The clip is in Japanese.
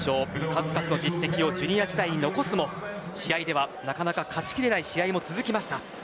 数々の実績をジュニア時代に残すも試合では、なかなか勝ちきれない試合も続きました。